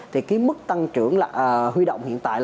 thì mức tăng trưởng khuy động hiện tại